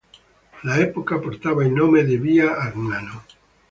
All'epoca portava il nome di "Via Agnano".